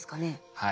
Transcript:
はい。